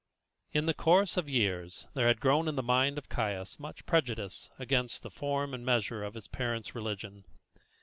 In the course of years there had grown in the mind of Caius much prejudice against the form and measure of his parents' religion.